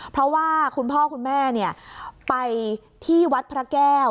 เพราะว่าคุณพ่อคุณแม่ไปที่วัดพระแก้ว